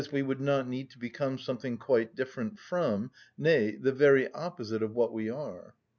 _, we would not need to become something quite different from, nay, the very opposite of what we are.